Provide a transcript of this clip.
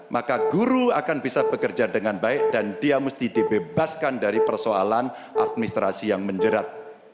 maka guru akan bisa bekerja dengan baik dan dia mesti dibebaskan dari persoalan administrasi yang menjerat